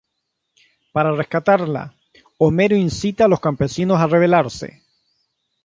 Para rescatarla, Homero incita a los campesinos a rebelarse.